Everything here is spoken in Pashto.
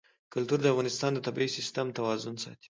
کلتور د افغانستان د طبعي سیسټم توازن ساتي.